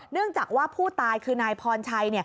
เนื่องจากว่าผู้ตายคือนายพรชัย